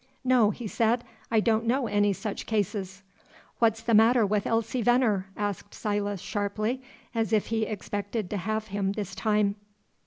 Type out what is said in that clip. "No,"; he said, "I don't know any such cases." "What's the matter with Elsie Venner?" asked Silas, sharply, as if he expected to have him this time.